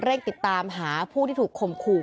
ติดตามหาผู้ที่ถูกข่มขู่